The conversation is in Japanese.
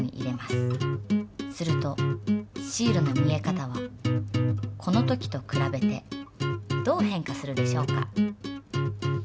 するとシールの見え方はこの時とくらべてどう変化するでしょうか？